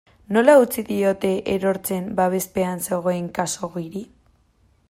Nola utzi diote erortzen babespean zegoen Khaxoggiri?